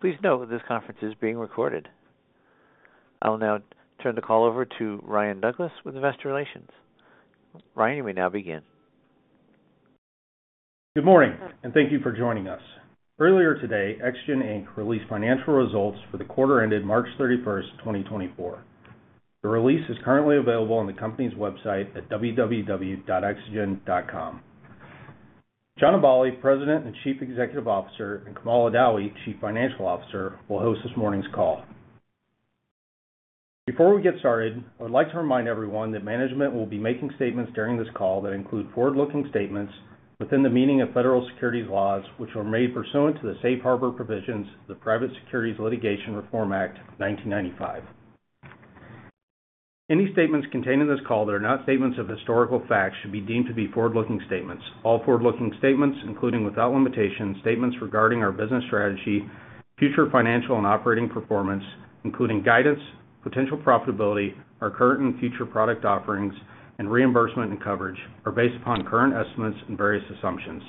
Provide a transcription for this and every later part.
Please note that this conference is being recorded. I'll now turn the call over to Ryan Douglas with Investor Relations. Ryan, you may now begin. Good morning, and thank you for joining us. Earlier today, Exagen Inc. released financial results for the quarter ended March 31st, 2024. The release is currently available on the company's website at www.exagen.com. John Aballi, President and Chief Executive Officer, and Kamal Adawi, Chief Financial Officer, will host this morning's call. Before we get started, I would like to remind everyone that management will be making statements during this call that include forward-looking statements within the meaning of federal securities laws, which were made pursuant to the Safe Harbor provisions of the Private Securities Litigation Reform Act of 1995. Any statements contained in this call that are not statements of historical facts should be deemed to be forward-looking statements. All forward-looking statements, including without limitation, statements regarding our business strategy, future financial and operating performance, including guidance, potential profitability, our current and future product offerings, and reimbursement and coverage, are based upon current estimates and various assumptions.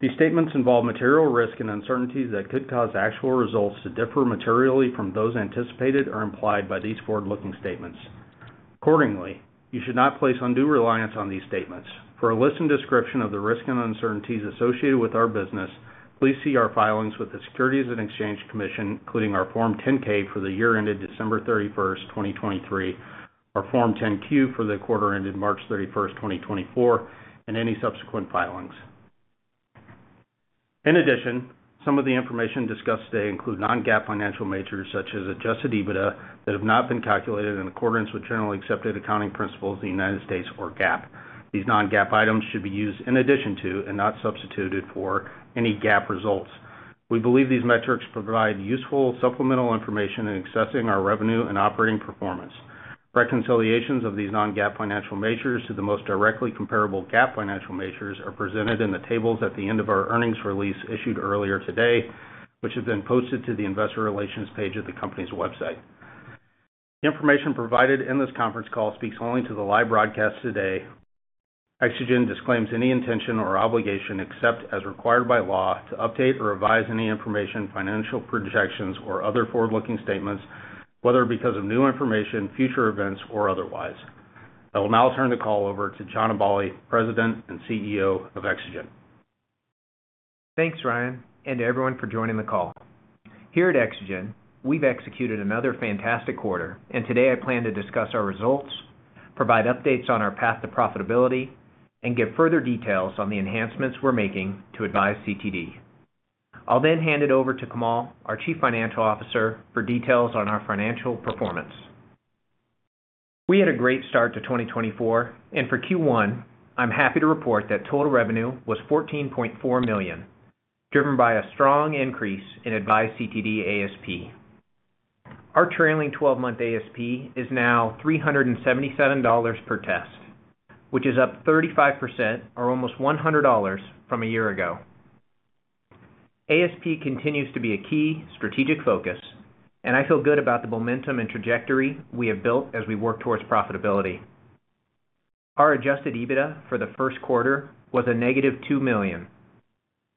These statements involve material risk and uncertainties that could cause actual results to differ materially from those anticipated or implied by these forward-looking statements. Accordingly, you should not place undue reliance on these statements. For a list and description of the risk and uncertainties associated with our business, please see our filings with the Securities and Exchange Commission, including our Form 10-K for the year ended December 31st, 2023, our Form 10-Q for the quarter ended March 31st, 2024, and any subsequent filings. In addition, some of the information discussed today includes non-GAAP financial measures such as Adjusted EBITDA that have not been calculated in accordance with generally accepted accounting principles of the United States or GAAP. These non-GAAP items should be used in addition to and not substituted for any GAAP results. We believe these metrics provide useful supplemental information in assessing our revenue and operating performance. Reconciliations of these non-GAAP financial measures to the most directly comparable GAAP financial measures are presented in the tables at the end of our earnings release issued earlier today, which have been posted to the Investor Relations page of the company's website. The information provided in this conference call speaks only to the live broadcast today. Exagen disclaims any intention or obligation except as required by law to update or revise any information, financial projections, or other forward-looking statements, whether because of new information, future events, or otherwise. I will now turn the call over to John Aballi, President and CEO of Exagen. Thanks, Ryan, and to everyone for joining the call. Here at Exagen, we've executed another fantastic quarter, and today I plan to discuss our results, provide updates on our path to profitability, and give further details on the enhancements we're making to AVISE CTD. I'll then hand it over to Kamal, our Chief Financial Officer, for details on our financial performance. We had a great start to 2024, and for Q1, I'm happy to report that total revenue was $14.4 million, driven by a strong increase in AVISE CTD ASP. Our trailing 12-month ASP is now $377 per test, which is up 35% or almost $100 from a year ago. ASP continues to be a key strategic focus, and I feel good about the momentum and trajectory we have built as we work towards profitability. Our Adjusted EBITDA for the first quarter was a negative $2 million.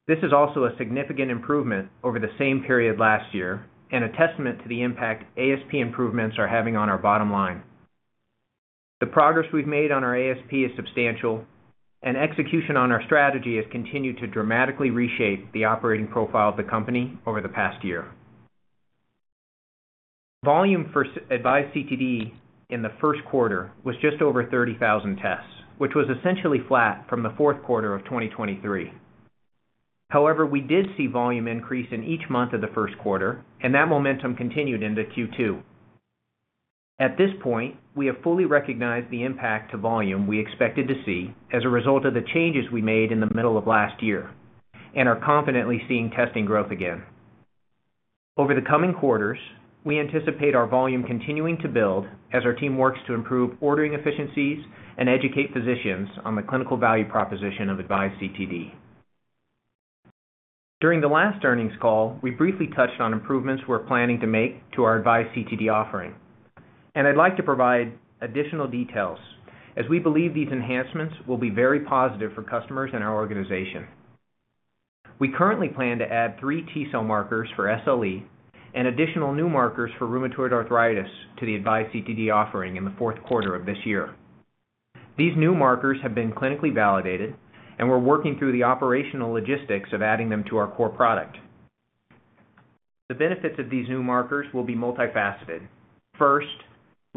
This is also a significant improvement over the same period last year and a testament to the impact ASP improvements are having on our bottom line. The progress we've made on our ASP is substantial, and execution on our strategy has continued to dramatically reshape the operating profile of the company over the past year. Volume for AVISE CTD in the first quarter was just over 30,000 tests, which was essentially flat from the fourth quarter of 2023. However, we did see volume increase in each month of the first quarter, and that momentum continued into Q2. At this point, we have fully recognized the impact to volume we expected to see as a result of the changes we made in the middle of last year and are confidently seeing testing growth again. Over the coming quarters, we anticipate our volume continuing to build as our team works to improve ordering efficiencies and educate physicians on the clinical value proposition of AVISE CTD. During the last earnings call, we briefly touched on improvements we're planning to make to our AVISE CTD offering, and I'd like to provide additional details as we believe these enhancements will be very positive for customers and our organization. We currently plan to add three T-cell markers for SLE and additional new markers for rheumatoid arthritis to the AVISE CTD offering in the fourth quarter of this year. These new markers have been clinically validated, and we're working through the operational logistics of adding them to our core product. The benefits of these new markers will be multifaceted. First,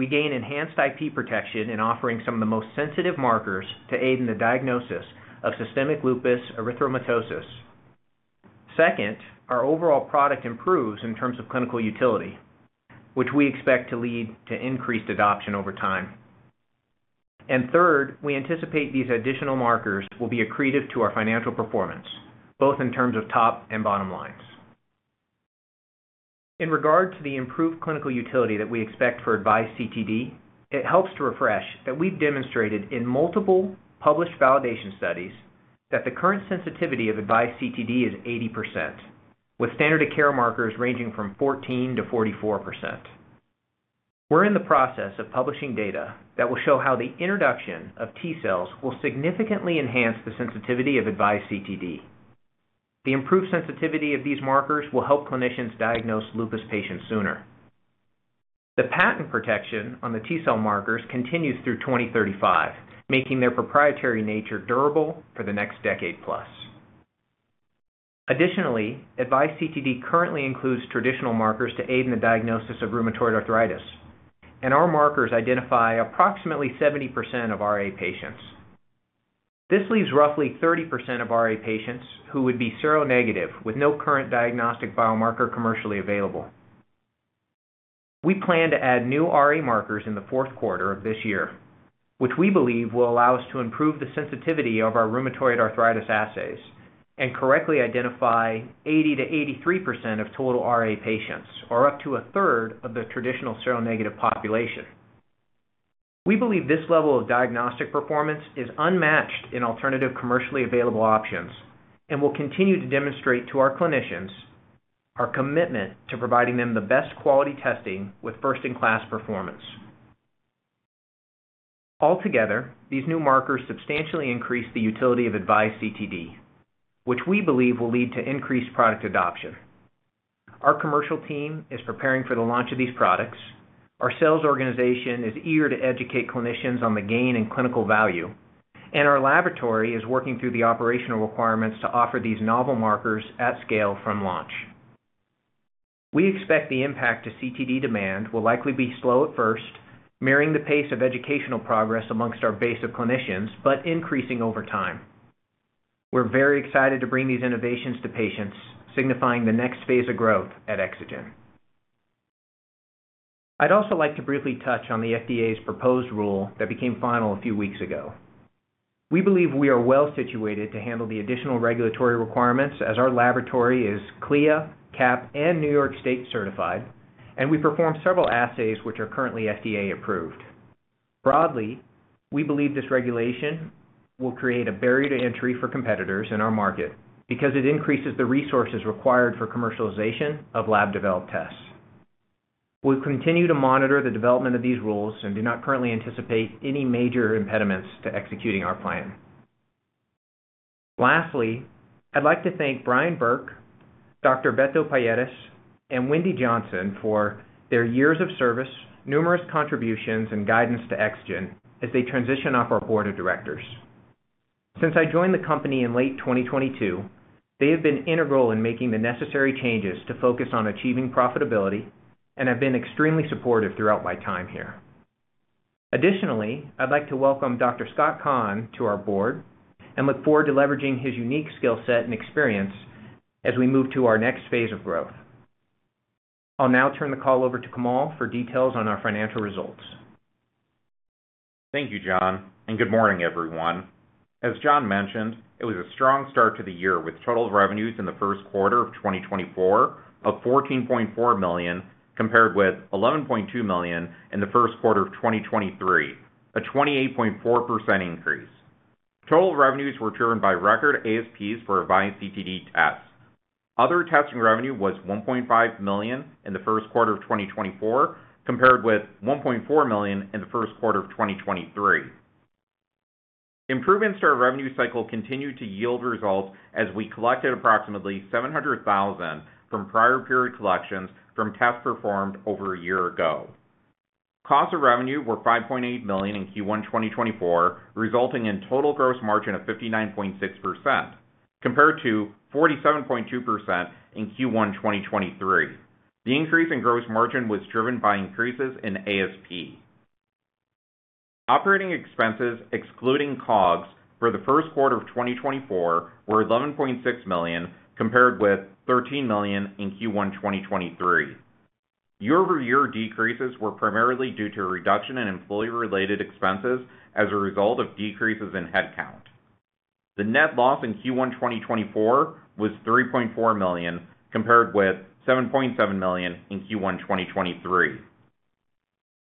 we gain enhanced IP protection in offering some of the most sensitive markers to aid in the diagnosis of systemic lupus erythematosus. Second, our overall product improves in terms of clinical utility, which we expect to lead to increased adoption over time. And third, we anticipate these additional markers will be accretive to our financial performance, both in terms of top and bottom lines. In regard to the improved clinical utility that we expect for AVISE CTD, it helps to refresh that we've demonstrated in multiple published validation studies that the current sensitivity of AVISE CTD is 80%, with standard-of-care markers ranging from 14%-44%. We're in the process of publishing data that will show how the introduction of T-cells will significantly enhance the sensitivity of AVISE CTD. The improved sensitivity of these markers will help clinicians diagnose lupus patients sooner. The patent protection on the T-cell markers continues through 2035, making their proprietary nature durable for the next decade-plus. Additionally, AVISE CTD currently includes traditional markers to aid in the diagnosis of rheumatoid arthritis, and our markers identify approximately 70% of RA patients. This leaves roughly 30% of RA patients who would be seronegative with no current diagnostic biomarker commercially available. We plan to add new RA markers in the fourth quarter of this year, which we believe will allow us to improve the sensitivity of our rheumatoid arthritis assays and correctly identify 80%-83% of total RA patients, or up to a third of the traditional seronegative population. We believe this level of diagnostic performance is unmatched in alternative commercially available options and will continue to demonstrate to our clinicians our commitment to providing them the best quality testing with first-in-class performance. Altogether, these new markers substantially increase the utility of AVISE CTD, which we believe will lead to increased product adoption. Our commercial team is preparing for the launch of these products. Our sales organization is eager to educate clinicians on the gain in clinical value, and our laboratory is working through the operational requirements to offer these novel markers at scale from launch. We expect the impact to CTD demand will likely be slow at first, mirroring the pace of educational progress among our base of clinicians but increasing over time. We're very excited to bring these innovations to patients, signifying the next phase of growth at Exagen. I'd also like to briefly touch on the FDA's proposed rule that became final a few weeks ago. We believe we are well situated to handle the additional regulatory requirements as our laboratory is CLIA, CAP, and New York State certified, and we perform several assays which are currently FDA approved. Broadly, we believe this regulation will create a barrier to entry for competitors in our market because it increases the resources required for commercialization of lab-developed tests. We'll continue to monitor the development of these rules and do not currently anticipate any major impediments to executing our plan. Lastly, I'd like to thank Brian Burke, Dr. Ebetuel Pallares, and Wendy Johnson for their years of service, numerous contributions, and guidance to Exagen as they transition off our board of directors. Since I joined the company in late 2022, they have been integral in making the necessary changes to focus on achieving profitability and have been extremely supportive throughout my time here. Additionally, I'd like to welcome Dr. Scott Kahn to our board and look forward to leveraging his unique skill set and experience as we move to our next phase of growth. I'll now turn the call over to Kamal for details on our financial results. Thank you, John, and good morning, everyone. As John mentioned, it was a strong start to the year with total revenues in the first quarter of 2024 of $14.4 million compared with $11.2 million in the first quarter of 2023, a 28.4% increase. Total revenues were driven by record ASPs for AVISE CTD tests. Other testing revenue was $1.5 million in the first quarter of 2024 compared with $1.4 million in the first quarter of 2023. Improvements to our revenue cycle continued to yield results as we collected approximately $700,000 from prior period collections from tests performed over a year ago. Cost of revenue were $5.8 million in Q1 2024, resulting in total gross margin of 59.6% compared to 47.2% in Q1 2023. The increase in gross margin was driven by increases in ASP. Operating expenses, excluding COGS, for the first quarter of 2024 were $11.6 million compared with $13 million in Q1 2023. Year-over-year decreases were primarily due to a reduction in employee-related expenses as a result of decreases in headcount. The net loss in Q1 2024 was $3.4 million compared with $7.7 million in Q1 2023.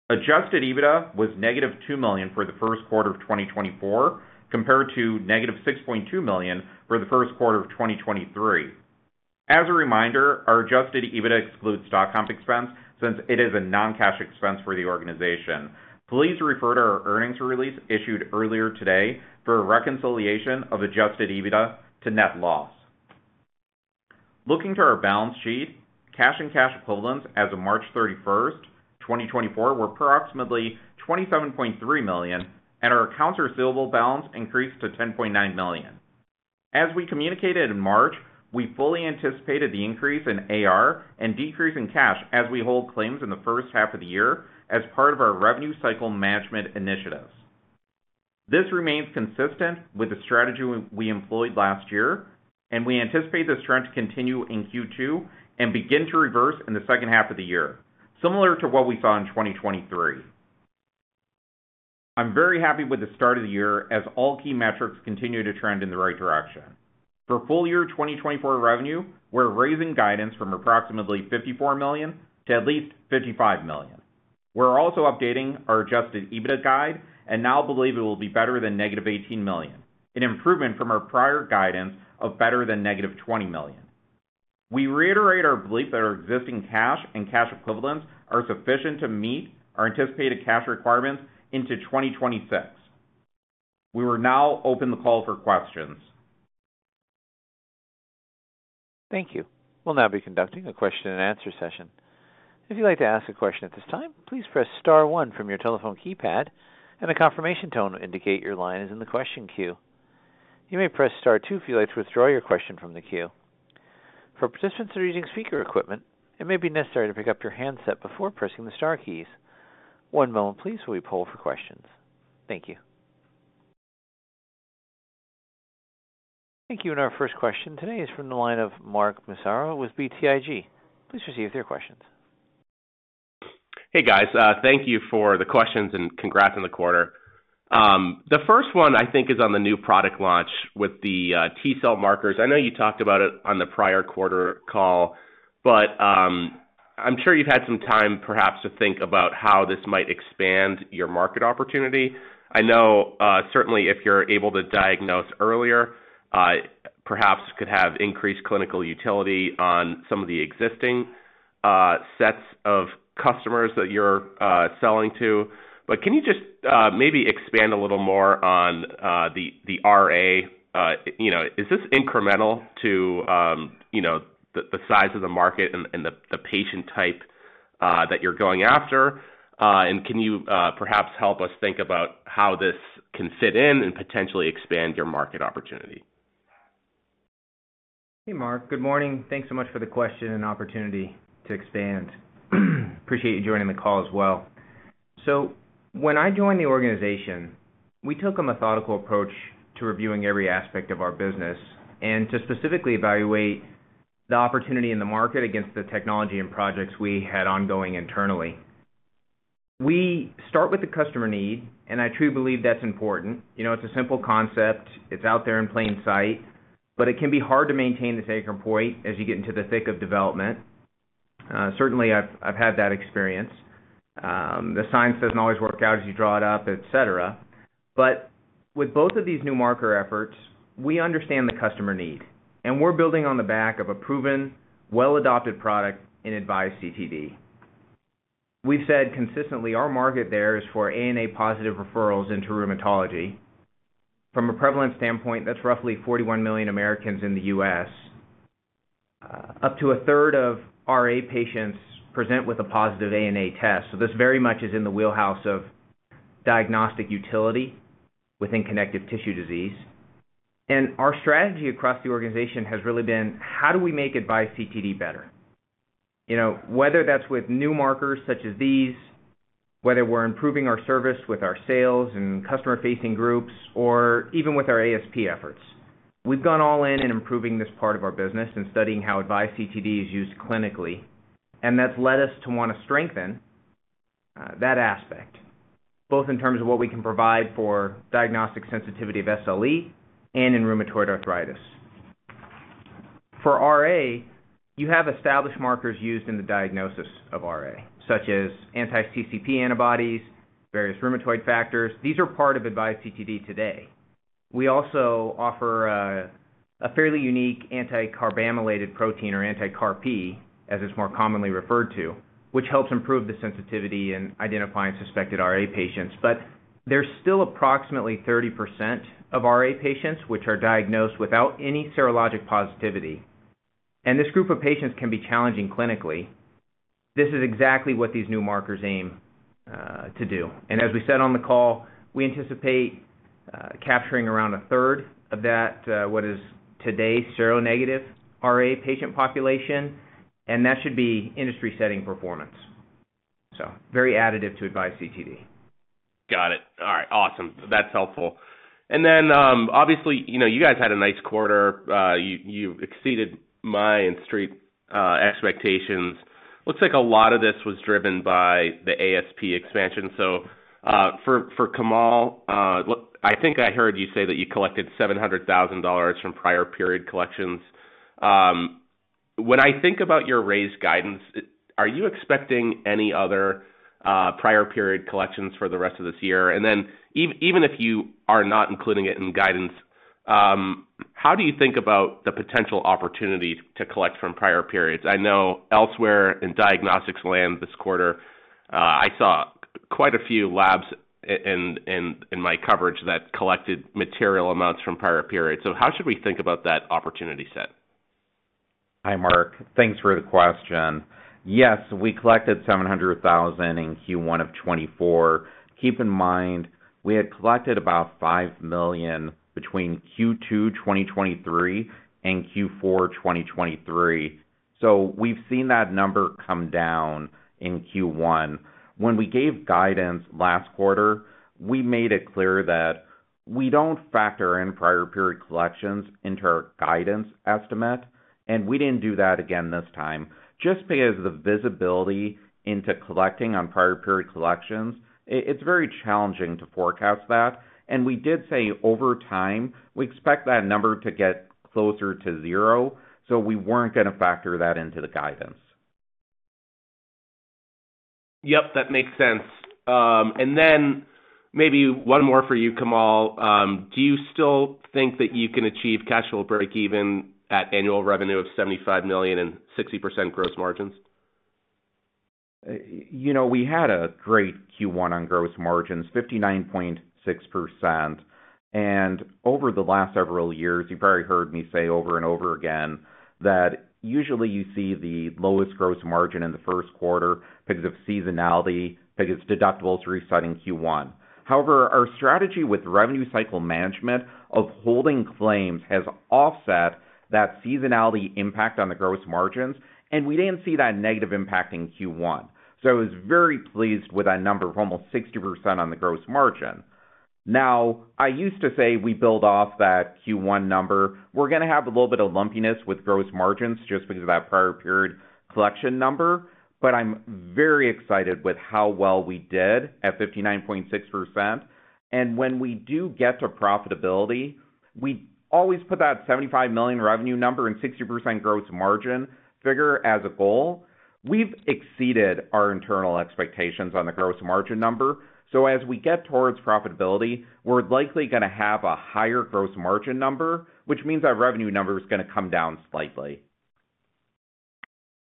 Adjusted EBITDA was -$2 million for the first quarter of 2024 compared to -$6.2 million for the first quarter of 2023. As a reminder, our adjusted EBITDA excludes stock comp expense since it is a non-cash expense for the organization. Please refer to our earnings release issued earlier today for a reconciliation of adjusted EBITDA to net loss. Looking to our balance sheet, cash and cash equivalents as of March 31, 2024, were approximately $27.3 million, and our accounts receivable balance increased to $10.9 million. As we communicated in March, we fully anticipated the increase in AR and decrease in cash as we hold claims in the first half of the year as part of our revenue cycle management initiatives. This remains consistent with the strategy we employed last year, and we anticipate this trend to continue in Q2 and begin to reverse in the second half of the year, similar to what we saw in 2023. I'm very happy with the start of the year as all key metrics continue to trend in the right direction. For full-year 2024 revenue, we're raising guidance from approximately $54 million to at least $55 million. We're also updating our Adjusted EBITDA guide and now believe it will be better than negative $18 million, an improvement from our prior guidance of better than negative $20 million. We reiterate our belief that our existing cash and cash equivalents are sufficient to meet our anticipated cash requirements into 2026. We will now open the call for questions. Thank you. We'll now be conducting a question-and-answer session. If you'd like to ask a question at this time, please press star one from your telephone keypad, and the confirmation tone will indicate your line is in the question queue. You may press star two if you'd like to withdraw your question from the queue. For participants that are using speaker equipment, it may be necessary to pick up your handset before pressing the star keys. One moment, please, while we pull for questions. Thank you. Thank you, and our first question today is from the line of Mark Massaro with BTIG. Please receive their questions. Hey, guys. Thank you for the questions and congrats on the quarter. The first one, I think, is on the new product launch with the T-cell markers. I know you talked about it on the prior quarter call, but I'm sure you've had some time, perhaps, to think about how this might expand your market opportunity. I know, certainly, if you're able to diagnose earlier, perhaps could have increased clinical utility on some of the existing sets of customers that you're selling to. But can you just maybe expand a little more on the RA? Is this incremental to the size of the market and the patient type that you're going after? And can you, perhaps, help us think about how this can fit in and potentially expand your market opportunity? Hey, Mark. Good morning. Thanks so much for the question and opportunity to expand. Appreciate you joining the call as well. So when I joined the organization, we took a methodical approach to reviewing every aspect of our business and to specifically evaluate the opportunity in the market against the technology and projects we had ongoing internally. We start with the customer need, and I truly believe that's important. It's a simple concept. It's out there in plain sight, but it can be hard to maintain this anchor point as you get into the thick of development. Certainly, I've had that experience. The science doesn't always work out as you draw it up, etc. But with both of these new marker efforts, we understand the customer need, and we're building on the back of a proven, well-adopted product in AVISE CTD. We've said consistently our market there is for ANA-positive referrals into rheumatology. From a prevalence standpoint, that's roughly 41 million Americans in the U.S. Up to a third of RA patients present with a positive ANA test, so this very much is in the wheelhouse of diagnostic utility within connective tissue disease. And our strategy across the organization has really been, how do we make AVISE CTD better? Whether that's with new markers such as these, whether we're improving our service with our sales and customer-facing groups, or even with our ASP efforts. We've gone all in in improving this part of our business and studying how AVISE CTD is used clinically, and that's led us to want to strengthen that aspect, both in terms of what we can provide for diagnostic sensitivity of SLE and in rheumatoid arthritis. For RA, you have established markers used in the diagnosis of RA, such as anti-CCP antibodies, various rheumatoid factors. These are part of AVISE CTD today. We also offer a fairly unique anti-carbamylated protein, or anti-CarP, as it's more commonly referred to, which helps improve the sensitivity in identifying suspected RA patients. But there's still approximately 30% of RA patients which are diagnosed without any serologic positivity, and this group of patients can be challenging clinically. This is exactly what these new markers aim to do. As we said on the call, we anticipate capturing around a third of what is today seronegative RA patient population, and that should be industry-setting performance, so very additive to AVISE CTD. Got it. All right. Awesome. That's helpful. And then, obviously, you guys had a nice quarter. You exceeded my and Street expectations. Looks like a lot of this was driven by the ASP expansion. So for Kamal, I think I heard you say that you collected $700,000 from prior period collections. When I think about your raised guidance, are you expecting any other prior period collections for the rest of this year? And then even if you are not including it in guidance, how do you think about the potential opportunity to collect from prior periods? I know elsewhere in diagnostics land this quarter, I saw quite a few labs in my coverage that collected material amounts from prior periods. So how should we think about that opportunity set? Hi, Mark. Thanks for the question. Yes, we collected $700,000 in Q1 of 2024. Keep in mind, we had collected about $5 million between Q2 2023 and Q4 2023, so we've seen that number come down in Q1. When we gave guidance last quarter, we made it clear that we don't factor in prior period collections into our guidance estimate, and we didn't do that again this time just because the visibility into collecting on prior period collections, it's very challenging to forecast that. And we did say over time, we expect that number to get closer to zero, so we weren't going to factor that into the guidance. Yep, that makes sense. And then maybe one more for you, Kamal. Do you still think that you can achieve cash flow break-even at annual revenue of $75 million and 60% gross margins? We had a great Q1 on gross margins, 59.6%. And over the last several years, you've probably heard me say over and over again that usually you see the lowest gross margin in the first quarter because of seasonality, because deductibles reset in Q1. However, our strategy with revenue cycle management of holding claims has offset that seasonality impact on the gross margins, and we didn't see that negative impact in Q1. So I was very pleased with that number of almost 60% on the gross margin. Now, I used to say we build off that Q1 number. We're going to have a little bit of lumpiness with gross margins just because of that prior period collection number, but I'm very excited with how well we did at 59.6%. When we do get to profitability, we always put that $75 million revenue number and 60% gross margin figure as a goal. We've exceeded our internal expectations on the gross margin number, so as we get towards profitability, we're likely going to have a higher gross margin number, which means our revenue number is going to come down slightly.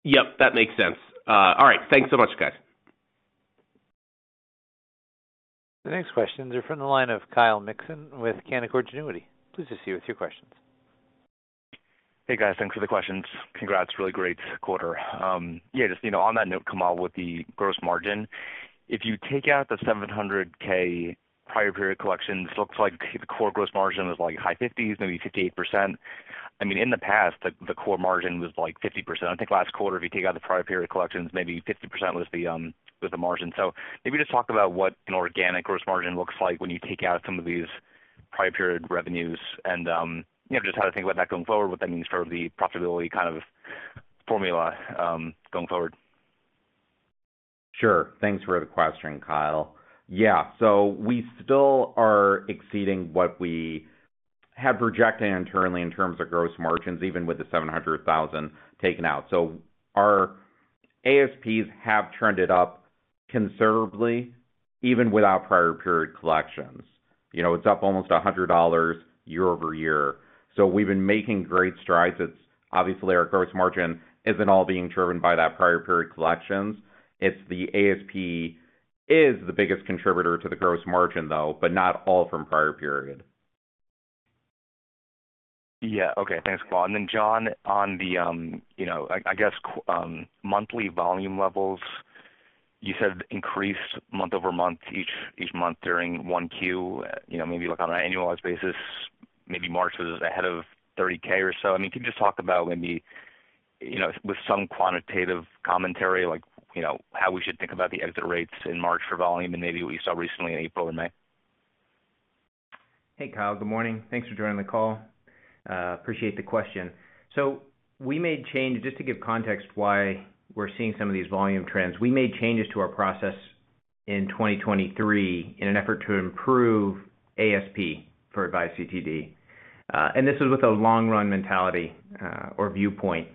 Yep, that makes sense. All right. Thanks so much, guys. The next questions are from the line of Kyle Mikson with Canaccord Genuity. Please proceed with your questions. Hey, guys. Thanks for the questions. Congrats. Really great quarter. Yeah, just on that note, Kamal, with the gross margin, if you take out the $700,000 prior period collections, it looks like the core gross margin was high 50s, maybe 58%. I mean, in the past, the core margin was 50%. I think last quarter, if you take out the prior period collections, maybe 50% was the margin. So maybe just talk about what an organic gross margin looks like when you take out some of these prior period revenues and just how to think about that going forward, what that means for the profitability kind of formula going forward. Sure. Thanks for the question, Kyle. Yeah, so we still are exceeding what we had projected internally in terms of gross margins, even with the $700,000 taken out. So our ASPs have turned it up conservatively, even without prior period collections. It's up almost $100 year-over-year. So we've been making great strides. Obviously, our gross margin isn't all being driven by that prior period collections. The ASP is the biggest contributor to the gross margin, though, but not all from prior period. Yeah. Okay. Thanks, Kamal. And then, John, on the, I guess, monthly volume levels, you said increased month-over-month each month during Q1. Maybe on an annualized basis, maybe March was ahead of 30,000 or so. I mean, can you just talk about maybe with some quantitative commentary, how we should think about the exit rates in March for volume and maybe what you saw recently in April or May? Hey, Kyle. Good morning. Thanks for joining the call. Appreciate the question. So we made changes just to give context why we're seeing some of these volume trends. We made changes to our process in 2023 in an effort to improve ASP for AVISE CTD, and this was with a long-run mentality or viewpoint.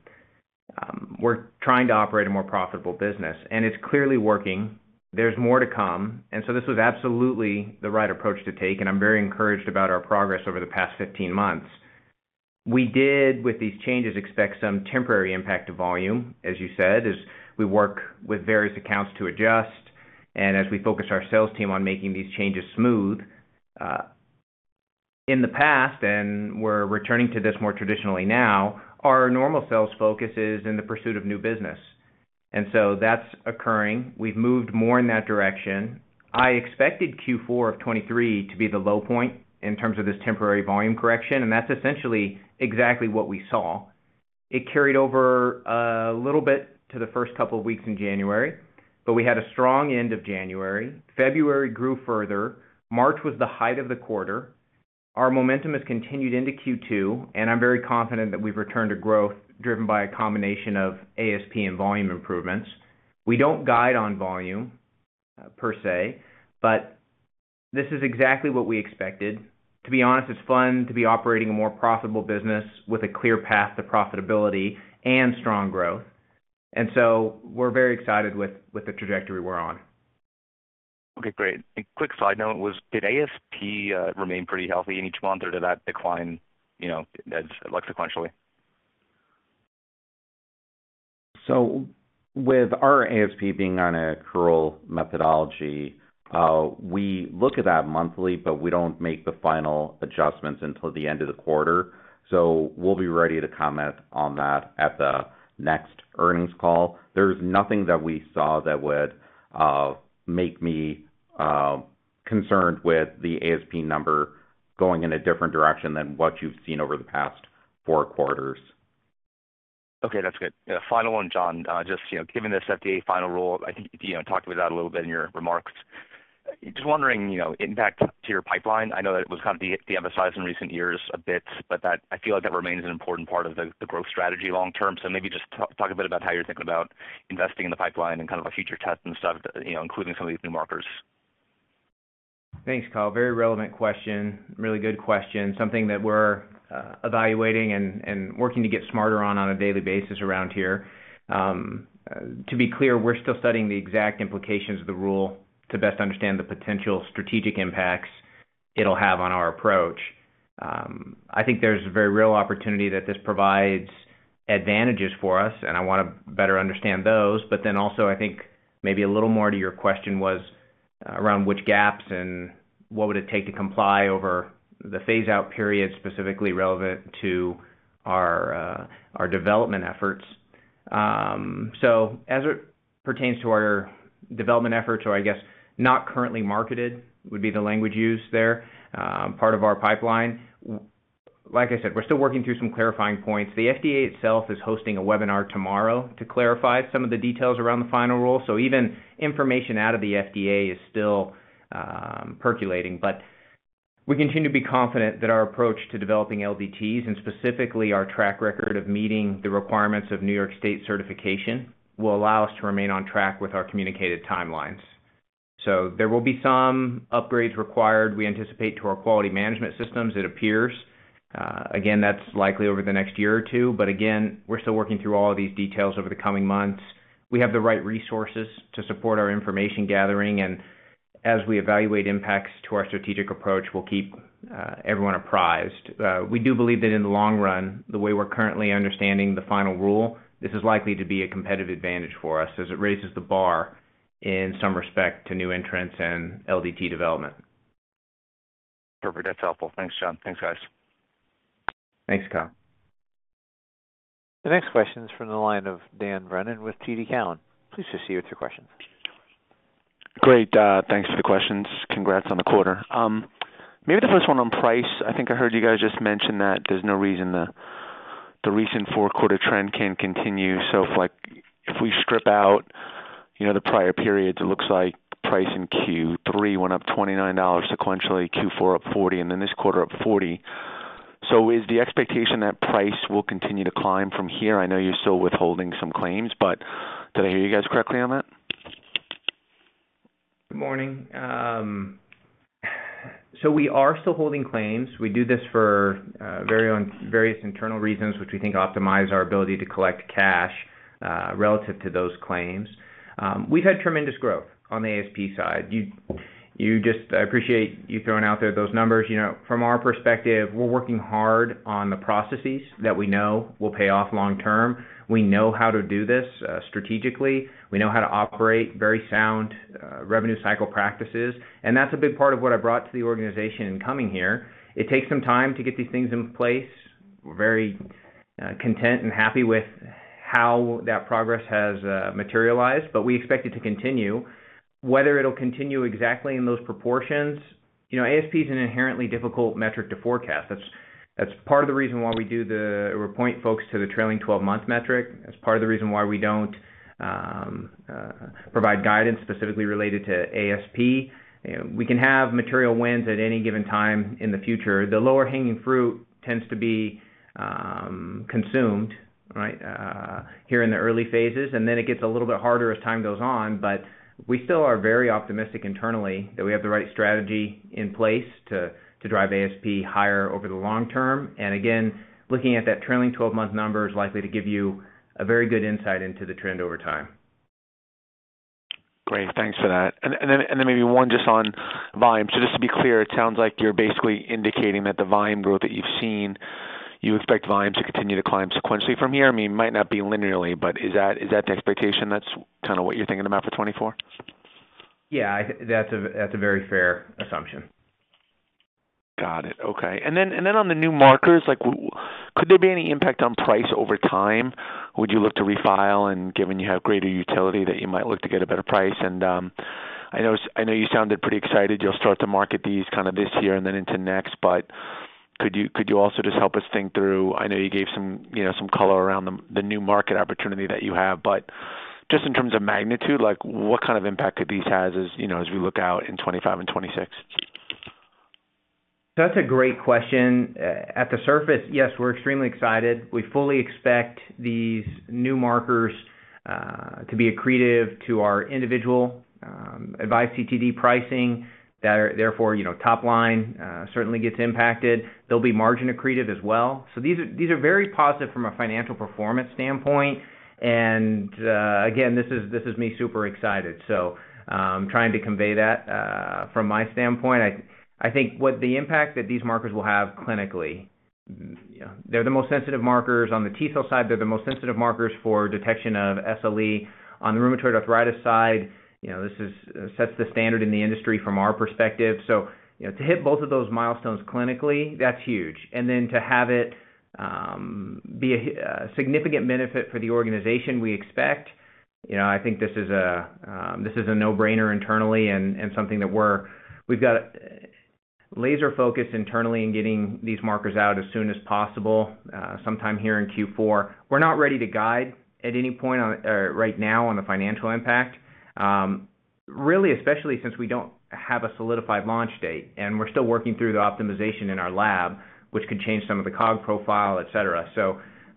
We're trying to operate a more profitable business, and it's clearly working. There's more to come, and so this was absolutely the right approach to take, and I'm very encouraged about our progress over the past 15 months. We did, with these changes, expect some temporary impact to volume, as you said, as we work with various accounts to adjust. As we focus our sales team on making these changes smooth, in the past, and we're returning to this more traditionally now, our normal sales focus is in the pursuit of new business, and so that's occurring. We've moved more in that direction. I expected Q4 of 2023 to be the low point in terms of this temporary volume correction, and that's essentially exactly what we saw. It carried over a little bit to the first couple of weeks in January, but we had a strong end of January. February grew further. March was the height of the quarter. Our momentum has continued into Q2, and I'm very confident that we've returned to growth driven by a combination of ASP and volume improvements. We don't guide on volume, per se, but this is exactly what we expected. To be honest, it's fun to be operating a more profitable business with a clear path to profitability and strong growth, and so we're very excited with the trajectory we're on. Okay. Great. And quick side note was, did ASP remain pretty healthy in each month, or did that decline sequentially? With our ASP being on an accrual methodology, we look at that monthly, but we don't make the final adjustments until the end of the quarter, so we'll be ready to comment on that at the next earnings call. There's nothing that we saw that would make me concerned with the ASP number going in a different direction than what you've seen over the past four quarters. Okay. That's good. Final one, John. Just given this FDA final rule, I think you talked about that a little bit in your remarks. Just wondering, impact to your pipeline. I know that it was kind of de-emphasized in recent years a bit, but I feel like that remains an important part of the growth strategy long term. So maybe just talk a bit about how you're thinking about investing in the pipeline and kind of a future test and stuff, including some of these new markers. Thanks, Kyle. Very relevant question. Really good question. Something that we're evaluating and working to get smarter on on a daily basis around here. To be clear, we're still studying the exact implications of the rule to best understand the potential strategic impacts it'll have on our approach. I think there's very real opportunity that this provides advantages for us, and I want to better understand those. But then also, I think maybe a little more to your question was around which gaps and what would it take to comply over the phase-out period specifically relevant to our development efforts. So as it pertains to our development efforts, or I guess not currently marketed would be the language used there, part of our pipeline. Like I said, we're still working through some clarifying points. The FDA itself is hosting a webinar tomorrow to clarify some of the details around the final rule, so even information out of the FDA is still percolating. We continue to be confident that our approach to developing LDTs, and specifically our track record of meeting the requirements of New York State certification, will allow us to remain on track with our communicated timelines. There will be some upgrades required, we anticipate, to our quality management systems, it appears. Again, that's likely over the next year or two, but again, we're still working through all of these details over the coming months. We have the right resources to support our information gathering, and as we evaluate impacts to our strategic approach, we'll keep everyone apprised. We do believe that in the long run, the way we're currently understanding the final rule, this is likely to be a competitive advantage for us as it raises the bar in some respect to new entrants and LDT development. Perfect. That's helpful. Thanks, John. Thanks, guys. Thanks, Kyle. The next question's from the line of Dan Brennan with TD Cowen. Please proceed with your questions. Great. Thanks for the questions. Congrats on the quarter. Maybe the first one on price. I think I heard you guys just mention that there's no reason the recent four-quarter trend can't continue. So if we strip out the prior periods, it looks like price in Q3 went up $29 sequentially, Q4 up $40, and then this quarter up $40. So is the expectation that price will continue to climb from here? I know you're still withholding some claims, but did I hear you guys correctly on that? Good morning. So we are still holding claims. We do this for various internal reasons, which we think optimize our ability to collect cash relative to those claims. We've had tremendous growth on the ASP side. I appreciate you throwing out there those numbers. From our perspective, we're working hard on the processes that we know will pay off long term. We know how to do this strategically. We know how to operate very sound revenue cycle practices, and that's a big part of what I brought to the organization in coming here. It takes some time to get these things in place. We're very content and happy with how that progress has materialized, but we expect it to continue. Whether it'll continue exactly in those proportions, ASP is an inherently difficult metric to forecast. That's part of the reason why we do. We point folks to the trailing 12-month metric. That's part of the reason why we don't provide guidance specifically related to ASP. We can have material wins at any given time in the future. The lower hanging fruit tends to be consumed here in the early phases, and then it gets a little bit harder as time goes on, but we still are very optimistic internally that we have the right strategy in place to drive ASP higher over the long term. Again, looking at that trailing 12-month number is likely to give you a very good insight into the trend over time. Great. Thanks for that. And then maybe one just on volume. So just to be clear, it sounds like you're basically indicating that the volume growth that you've seen, you expect volume to continue to climb sequentially from here. I mean, it might not be linearly, but is that the expectation? That's kind of what you're thinking about for 2024? Yeah. That's a very fair assumption. Got it. Okay. And then on the new markers, could there be any impact on price over time? Would you look to refile, and given you have greater utility, that you might look to get a better price? And I know you sounded pretty excited you'll start to market these kind of this year and then into next, but could you also just help us think through I know you gave some color around the new market opportunity that you have, but just in terms of magnitude, what kind of impact could these have as we look out in 2025 and 2026? That's a great question. At the surface, yes, we're extremely excited. We fully expect these new markers to be accretive to our individual AVISE CTD pricing. Therefore, top line certainly gets impacted. They'll be margin accretive as well. So these are very positive from a financial performance standpoint, and again, this is me super excited, so trying to convey that from my standpoint. I think the impact that these markers will have clinically, they're the most sensitive markers. On the T-cell side, they're the most sensitive markers for detection of SLE. On the rheumatoid arthritis side, this sets the standard in the industry from our perspective. So to hit both of those milestones clinically, that's huge. And then to have it be a significant benefit for the organization, we expect. I think this is a no-brainer internally and something that we've got laser focus internally in getting these markers out as soon as possible, sometime here in Q4. We're not ready to guide at any point right now on the financial impact, really, especially since we don't have a solidified launch date, and we're still working through the optimization in our lab, which could change some of the COGS profile, etc.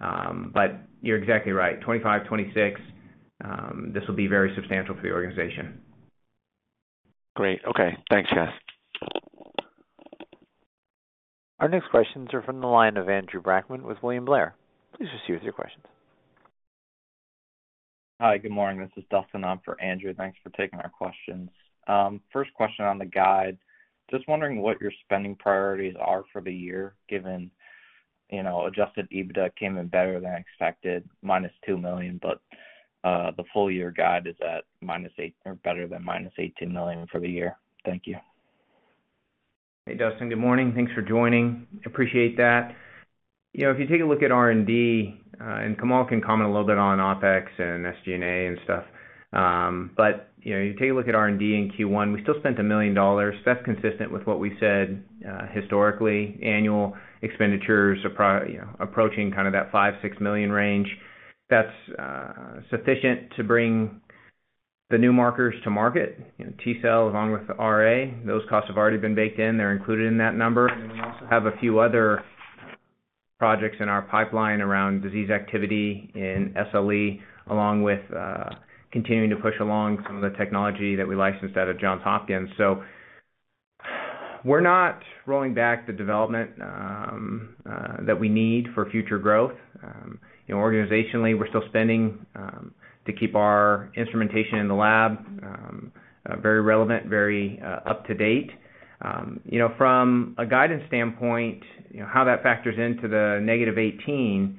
But you're exactly right. 2025, 2026, this will be very substantial for the organization. Great. Okay. Thanks, guys. Our next questions are from the line of Andrew Brackman with William Blair. Please proceed with your questions. Hi. Good morning. This is Dustin on for Andrew. Thanks for taking our questions. First question on the guide, just wondering what your spending priorities are for the year given Adjusted EBITDA came in better than expected, -$2 million, but the full-year guide is at -$8 million or better than -$18 million for the year. Thank you. Hey, Dustin. Good morning. Thanks for joining. Appreciate that. If you take a look at R&D and Kamal can comment a little bit on OpEx and SG&A and stuff, but if you take a look at R&D in Q1, we still spent $1 million. That's consistent with what we said historically. Annual expenditures approaching kind of that $5 million-$6 million range. That's sufficient to bring the new markers to market, T-cell along with RA. Those costs have already been baked in. They're included in that number. And then we also have a few other projects in our pipeline around disease activity in SLE along with continuing to push along some of the technology that we licensed out of Johns Hopkins. So we're not rolling back the development that we need for future growth. Organizationally, we're still spending to keep our instrumentation in the lab very relevant, very up-to-date. From a guidance standpoint, how that factors into the -18,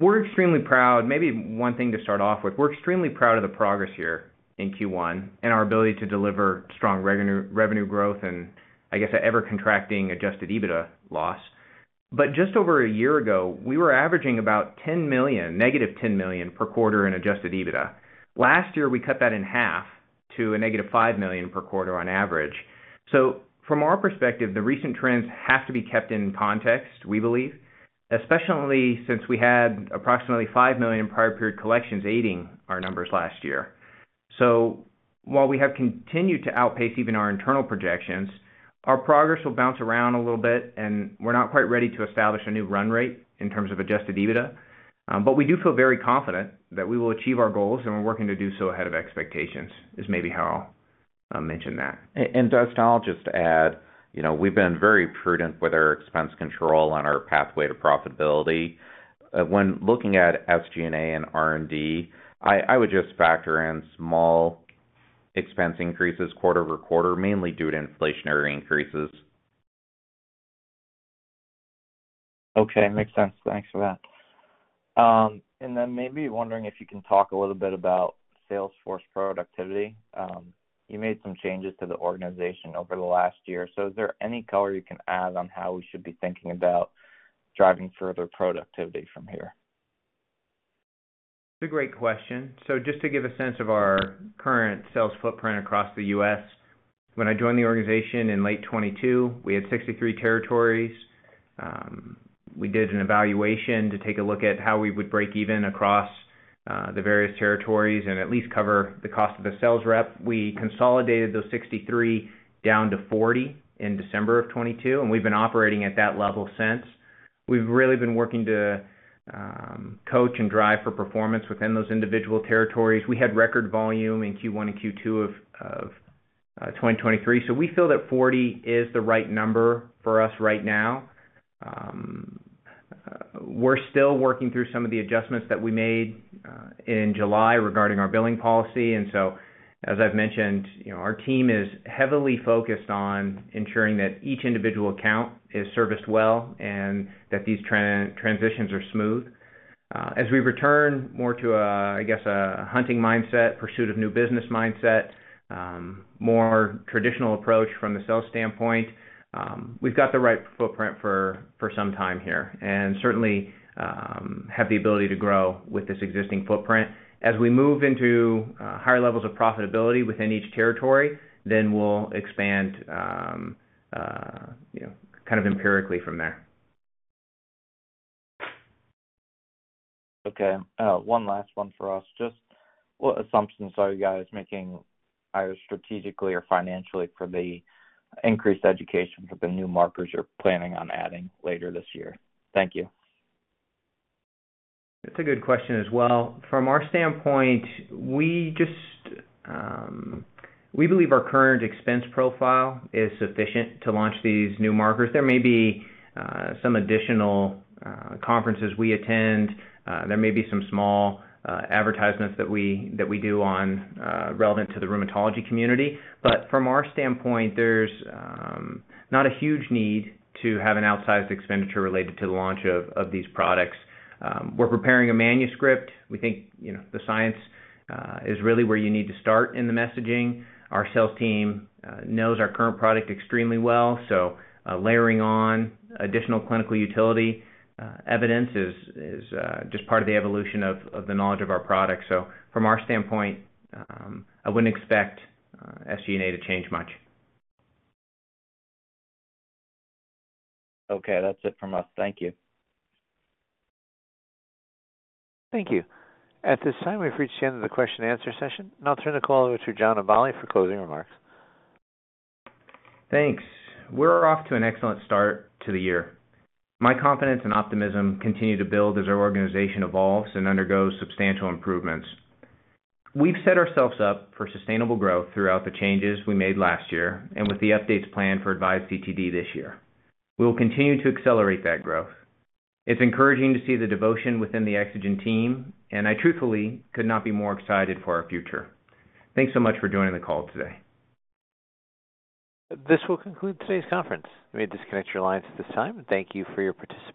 we're extremely proud. Maybe one thing to start off with, we're extremely proud of the progress here in Q1 and our ability to deliver strong revenue growth and, I guess, ever contracting Adjusted EBITDA loss. But just over a year ago, we were averaging about -$10 million per quarter in Adjusted EBITDA. Last year, we cut that in half to a -$5 million per quarter on average. So from our perspective, the recent trends have to be kept in context, we believe, especially since we had approximately $5 million prior-period collections aiding our numbers last year. So while we have continued to outpace even our internal projections, our progress will bounce around a little bit, and we're not quite ready to establish a new run rate in terms of adjusted EBITDA. But we do feel very confident that we will achieve our goals, and we're working to do so ahead of expectations is maybe how I'll mention that. And Dustin, I'll just add. We've been very prudent with our expense control on our pathway to profitability. When looking at SG&A and R&D, I would just factor in small expense increases quarter-over-quarter, mainly due to inflationary increases. Okay. Makes sense. Thanks for that. And then maybe wondering if you can talk a little bit about sales force productivity. You made some changes to the organization over the last year, so is there any color you can add on how we should be thinking about driving further productivity from here? It's a great question. So just to give a sense of our current sales footprint across the U.S., when I joined the organization in late 2022, we had 63 territories. We did an evaluation to take a look at how we would break even across the various territories and at least cover the cost of the sales rep. We consolidated those 63 down to 40 in December of 2022, and we've been operating at that level since. We've really been working to coach and drive for performance within those individual territories. We had record volume in Q1 and Q2 of 2023, so we feel that 40 is the right number for us right now. We're still working through some of the adjustments that we made in July regarding our billing policy. As I've mentioned, our team is heavily focused on ensuring that each individual account is serviced well and that these transitions are smooth. As we return more to, I guess, a hunting mindset, pursuit of new business mindset, more traditional approach from the sales standpoint, we've got the right footprint for some time here and certainly have the ability to grow with this existing footprint. As we move into higher levels of profitability within each territory, then we'll expand kind of empirically from there. Okay. One last one for us. Just what assumptions are you guys making, either strategically or financially, for the increased education for the new markers you're planning on adding later this year? Thank you. That's a good question as well. From our standpoint, we believe our current expense profile is sufficient to launch these new markers. There may be some additional conferences we attend. There may be some small advertisements that we do relevant to the rheumatology community. But from our standpoint, there's not a huge need to have an outsized expenditure related to the launch of these products. We're preparing a manuscript. We think the science is really where you need to start in the messaging. Our sales team knows our current product extremely well, so layering on additional clinical utility evidence is just part of the evolution of the knowledge of our product. So from our standpoint, I wouldn't expect SG&A to change much. Okay. That's it from us. Thank you. Thank you. At this time, we've reached the end of the question-and-answer session, and I'll turn the call over to John Aballi for closing remarks. Thanks. We're off to an excellent start to the year. My confidence and optimism continue to build as our organization evolves and undergoes substantial improvements. We've set ourselves up for sustainable growth throughout the changes we made last year and with the updates planned for AVISE CTD this year. We'll continue to accelerate that growth. It's encouraging to see the devotion within the Exagen team, and I truthfully could not be more excited for our future. Thanks so much for joining the call today. This will conclude today's conference. I may disconnect your lines at this time, and thank you for your participation.